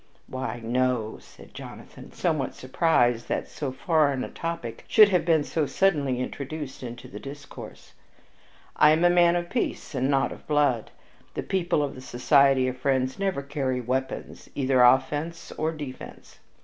"Why, no," said Jonathan, somewhat surprised that so foreign a topic should have been so suddenly introduced into the discourse. "I am a man of peace and not of blood. The people of the Society of Friends never carry weapons, either of offense or defense."